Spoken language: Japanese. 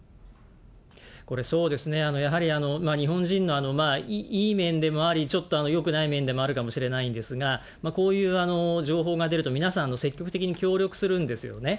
これ、そうですね、やはり、日本人のいい面でもあり、ちょっとよくない面でもあるかもしれないんですが、こういう情報が出ると皆さん、積極的に協力するんですよね。